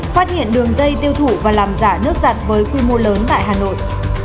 phát hiện đường dây tiêu thủ và làm giả nước giặt với quy mô lớn tại hà nội